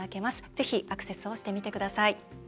ぜひアクセスをしてみてください。